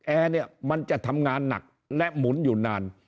แอร์มันทำงานหนักและหมุนอยู่นาน